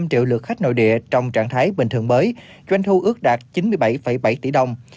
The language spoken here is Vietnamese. năm triệu lượt khách nội địa trong trạng thái bình thường mới doanh thu ước đạt chín mươi bảy bảy tỷ đồng